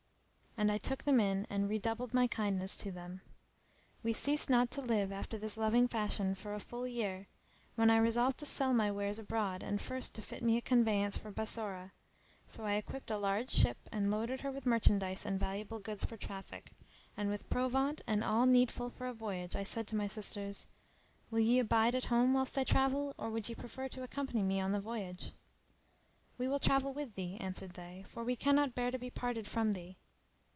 And I took them in and redoubled my kindness to them. We ceased not to live after this loving fashion for a full year, when I resolved to sell my wares abroad and first to fit me a conveyance for Bassorah; so I equipped a large ship, and loaded her with merchandise and valuable goods for traffic, and with provaunt and all needful for a voyage, and said to my sisters, "Will ye abide at home whilst I travel, or would ye prefer to accompany me on the voyage?" "We will travel with thee," answered they, "for we cannot bear to be parted from thee."